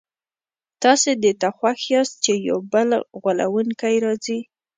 تاسي دې ته خوښ یاست چي یو بل غولونکی راځي.